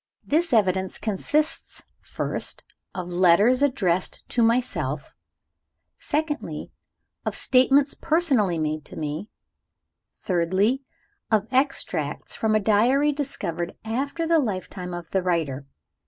This evidence consists (first) of letters addressed to myself; (secondly) of statements personally made to me; (thirdly) of extracts from a diary discovered after the lifetime of the writer.